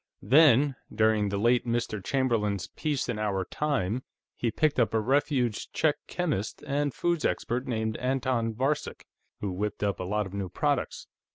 Then, during the late Mr. Chamberlain's 'Peace in our time,' he picked up a refugee Czech chemist and foods expert named Anton Varcek, who whipped up a lot of new products.